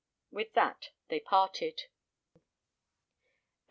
With that they parted.